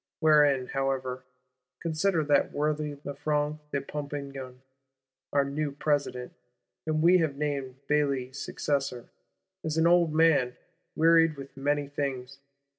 Wherein, however, consider that worthy Lafranc de Pompignan, our new President, whom we have named Bailly's successor, is an old man, wearied with many things.